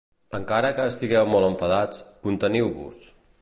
Encara que estigueu molt enfadats, conteniu-vos.